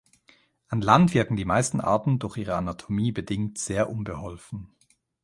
An Land wirken die meisten Arten durch ihre Anatomie bedingt sehr unbeholfen.